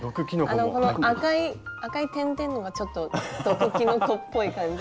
この赤い赤い点々のがちょっと毒きのこっぽい感じ。